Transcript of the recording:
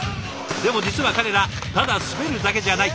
でも実は彼らただ滑るだけじゃない。